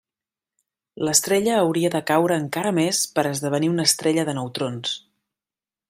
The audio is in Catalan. L'estrella hauria de caure encara més per a esdevenir una estrella de neutrons.